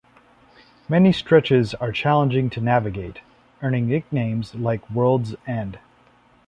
Many stretches are challenging to navigate, earning nicknames like World's End.